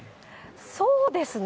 そうですね。